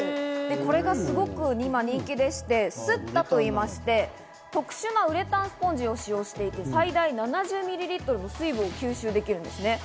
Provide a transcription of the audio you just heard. これがすごく人気でして、ＳＴＴＡといいまして特殊なウレタンスポンジを使用していて最大７０ミリリットルの水分を吸収できるんですね。